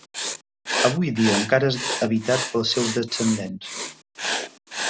Avui dia encara és habitat pels seus descendents.